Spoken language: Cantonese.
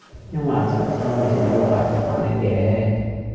因為阿陳生每次都好快就返嚟嘅